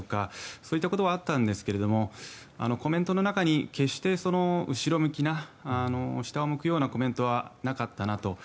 そういったことはあったんですがコメントの中に決して、後ろ向きな下を向くようなコメントはなかったなと。